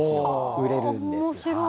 売れるんです。